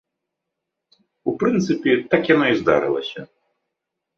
У прынцыпе, так яно і здарылася.